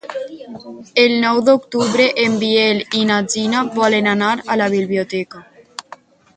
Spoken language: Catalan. El nou d'octubre en Biel i na Gina volen anar a la biblioteca.